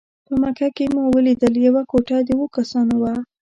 په مکه کې مو ولیدل یوه کوټه د اوو کسانو وه.